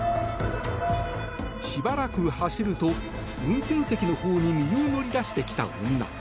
しばらく走ると運転席のほうに身を乗り出してきた女。